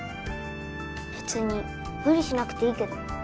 別に無理しなくていいけど。